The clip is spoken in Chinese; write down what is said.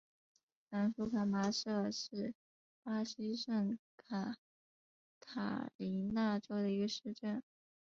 兰舒凯马杜是巴西圣卡塔琳娜州的一个市镇。